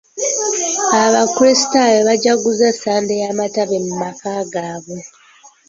Abakrisitaayo baajaguza Sande y'amatabi mu maka gaabwe.